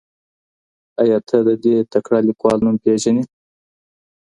ایا ته د دې تکړه لیکوال نوم پېژنې؟